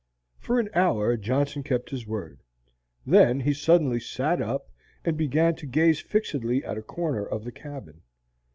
For an hour Johnson kept his word. Then he suddenly sat up, and began to gaze fixedly at a corner of the cabin.